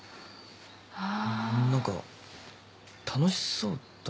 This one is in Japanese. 何か楽しそうだな。